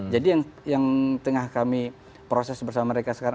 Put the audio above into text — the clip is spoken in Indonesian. jadi yang tengah kami proses bersama mereka sekarang